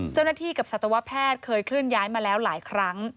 เจ้าหน้าที่กับสัตวแพทย์เคยเคลื่อนย้ายมาแล้วหลายครั้ง